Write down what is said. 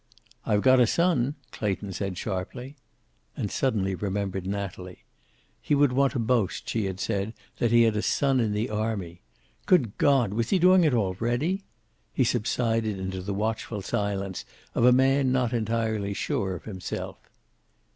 "I've got a son," Clayton said sharply. And suddenly remembered Natalie. He would want to boast, she had said, that he had a son in the army. Good God, was he doing it already? He subsided into the watchful silence of a man not entirely sure of himself.